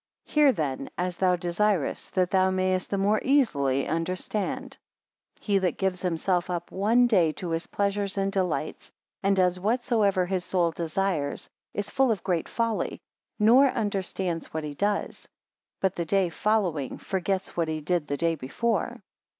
Hear then, as thou desirest, that thou mayest the more easily understand. 35 He that gives himself up one day to his pleasures and delights, and does whatsoever his soul desires, is full of great folly, nor understands what he does, but the day following forgets what he did the day before.